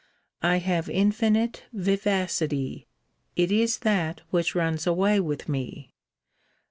I have infinite vivacity: it is that which runs away with me.